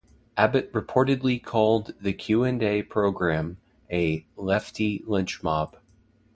Abbott reportedly called the "Q and A" program a "Lefty Lynch Mob".